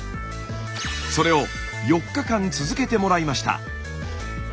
それを４日間続けてもらいました。